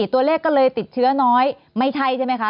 ตัวเลขก็เลยติดเชื้อน้อยไม่ใช่ใช่ไหมคะ